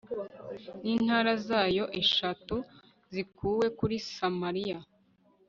n'intara zayo eshatu zikuwe kuri samariya .